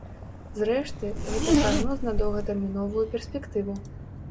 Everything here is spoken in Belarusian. Зрэшты, гэта прагноз на доўгатэрміновую перспектыву.